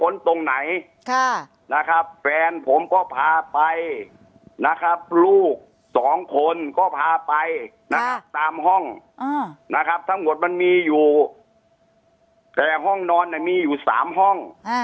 นะครับแฟนผมก็พาไปนะครับลูก๒คนก็พาไปตามห้องนะครับทั้งหมดมันมีอยู่แต่ห้องนอนมีอยู่๓ห้อง